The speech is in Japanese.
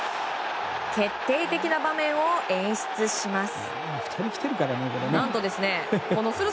決定的な場面を演出します。